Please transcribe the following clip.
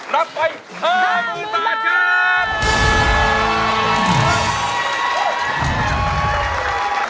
รับไว้เธอมือตลาดเกือบ